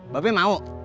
ba be mau